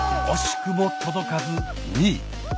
惜しくも届かず２位。